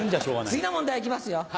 次の問題行きますよ